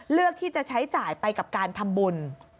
เลือกที่จะใช้จ่ายไปกับการทำบุญ